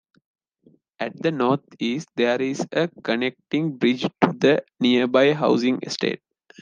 At the northeast there is a connecting bridge to the nearby housing estate.